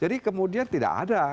jadi kemudian tidak ada